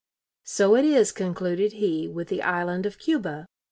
"So it is," concluded he, "with the island of Cuba....